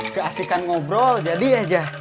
keasikan ngobrol jadi aja